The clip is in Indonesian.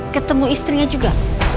ketemu istrinya juga